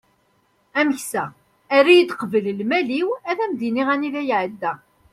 ameksa err-iyi-d qbel lmal-iw ad am-d-inin anida iεedda